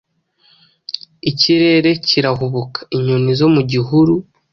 Ikirere kirahubuka, Inyoni zo mu gihuru,